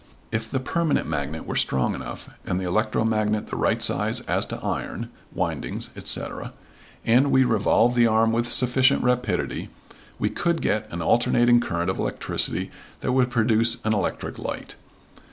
If the permanent magnet were strong enough and the electromagnet the right size as to iron, windings, etc., and we revolve the arm with sufficient rapidity, we could get an alternating current of electricity that would produce an electric light.